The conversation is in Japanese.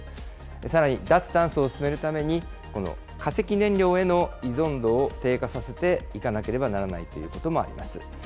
さらに脱炭素を進めるために、この化石燃料への依存度を低下させていかなければならないということもあります。